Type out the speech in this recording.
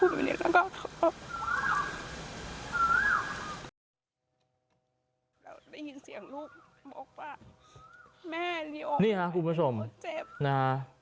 ได้ยินเสียงลูกบอกว่าแม่นี่ฮะคุณผู้ชมเจ็บนะฮะ